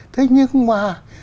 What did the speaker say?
thế nhưng mà